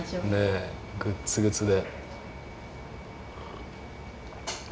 ええグッツグツで。